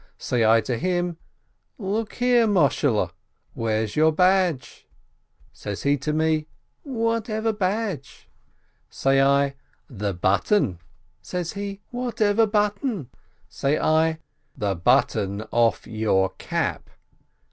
Say I to him, "Look here, Moshehl, where's your badge?" Says he to me, "Whatever badge?" Say I, "The button." Says he, "Whatever button?" Say I, "The button off your cap."